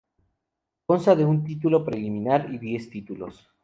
Consta de un Título Preliminar y diez Títulos.